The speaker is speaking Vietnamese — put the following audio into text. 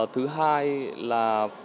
thứ hai là